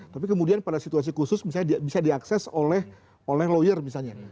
tapi kemudian pada situasi khusus bisa diakses oleh lawyer misalnya